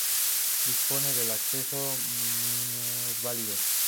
Dispone de acceso a minusválidos.